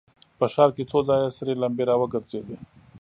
په ښار کې څو ځايه سرې لمبې را وګرځېدې.